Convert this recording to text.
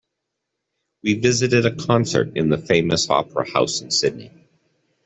We visited a concert in the famous opera house in Sydney.